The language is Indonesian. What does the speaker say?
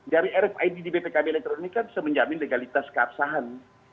dari rfid di bpkb elektronik kan bisa menjamin legalitas keabsahan